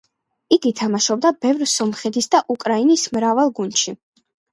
იგი თამაშობდა ბევრ სომხეთის და უკრაინის მრავალ გუნდში.